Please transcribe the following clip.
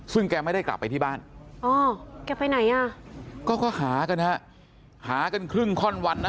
ซึ่งแกไม่ได้กลับไปที่บ้านก็ค่อยหากันครึ่งค่อนวัน